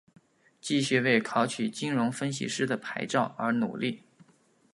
继续为考取金融分析师的牌照而努力。